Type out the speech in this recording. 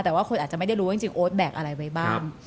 แต่ว่าคนอาจจะไม่ได้รู้ว่าจริงโอ๊ตแบกอะไรไว้บ้าง